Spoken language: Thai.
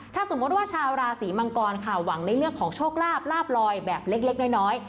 ถ้าสมมติว่าชาวราศีมังกรค่ะหวังในเรื่องของโชคลาภลาบลอยแบบเล็กน้อย